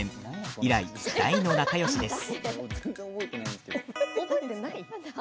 以来、大の仲よしです。